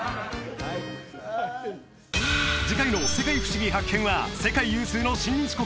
次回の「世界ふしぎ発見！」は世界有数の親日国